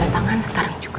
tanda tangan sekarang juga